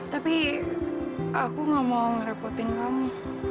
tapi aku nggak mau ngerepotin kamu